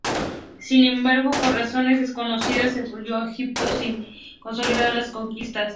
Sin embargo, por razones desconocidas, se volvió a Egipto sin consolidar las conquistas.